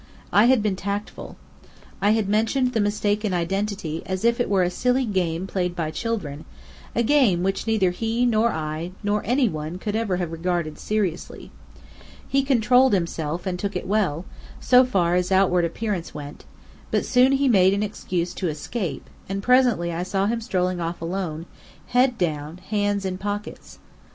I had been tactful. I had mentioned the mistake in identity as if it were a silly game played by children, a game which neither he nor I nor any one could ever have regarded seriously. He controlled himself, and took it well, so far as outward appearance went: but soon he made an excuse to escape: and presently I saw him strolling off alone, head down, hands in pockets.